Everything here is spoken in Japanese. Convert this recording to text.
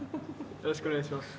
よろしくお願いします